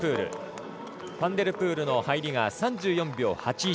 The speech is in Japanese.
ファンデルプールの入りが３４秒８１。